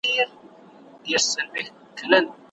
که په ځان هرڅومره غټ وو خو غویی وو